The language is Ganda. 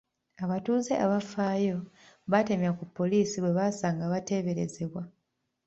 Abatuuze abafaayo batemya ku poliisi bwe basanga abateeberezebwa.